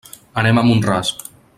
Anem a Mont-ras.